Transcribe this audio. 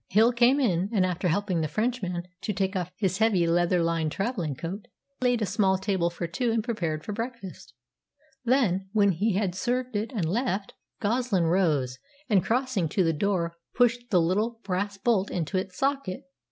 Hill came in, and after helping the Frenchman to take off his heavy leather lined travelling coat, laid a small table for two and prepared breakfast. Then, when he had served it and left, Goslin rose, and, crossing to the door, pushed the little brass bolt into its socket.